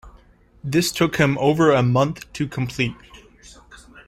This took him over a month to complete.